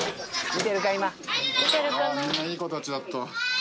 みんないい子たちだった。